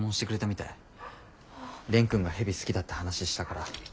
蓮くんが蛇好きだって話したから。